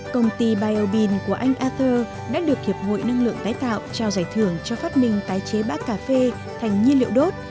công ty biobin của anh ather đã được hiệp hội năng lượng tái tạo trao giải thưởng cho phát minh tái chế bã cà phê thành nhiên liệu đốt